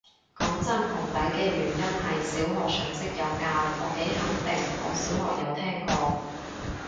講真，紅底嘅原因係小學常識有教，我幾肯定我小學有聽過